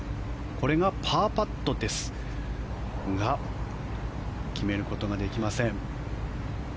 これがパーパットですが決めることができません。